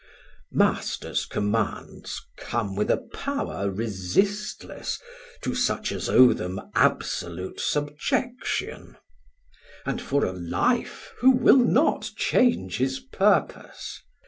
Masters commands come with a power resistless To such as owe them absolute subjection; And for a life who will not change his purpose?